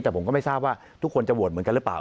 แต่ผมก็ไม่ทราบว่าทุกคนจะโหวตเหมือนกันหรือเปล่า